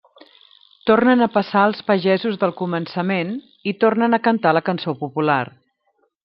Tornen a passar els pagesos del començament, i tornen a cantar la cançó popular.